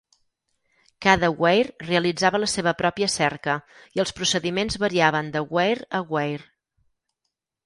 Cada Weyr realitzava la seva pròpia cerca i els procediments variaven de Weyr a Weyr.